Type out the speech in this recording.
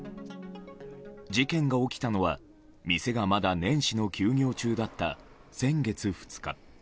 事件が起きたのは店がまだ年始の休業中だった先月２日。